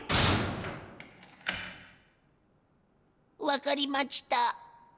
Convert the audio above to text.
分かりまちた。